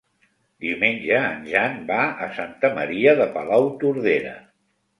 Diumenge en Jan va a Santa Maria de Palautordera.